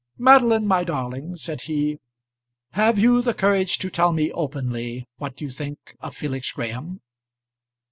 "Madeline, my darling," said he, "have you the courage to tell me openly what you think of Felix Graham?"